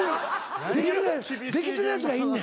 できてるやつがいんねん。